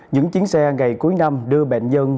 những chiến xe ngày cuối năm đưa bệnh nhân